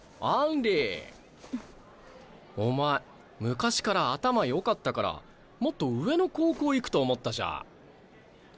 お前昔から頭よかったからもっと上の高校行くと思ったじゃ。